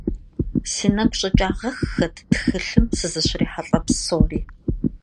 Си нэгу щӀэкӀагъэххэт тхылъым сызыщрихьэлӀэ псори.